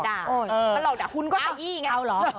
มันหลอกด่ะคุณก็อ่าอี้ไง